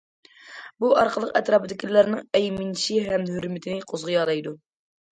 بۇ ئارقىلىق ئەتراپىدىكىلەرنىڭ ئەيمىنىشى ھەم ھۆرمىتىنى قوزغىيالايدۇ.